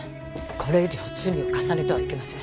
これ以上罪を重ねてはいけません。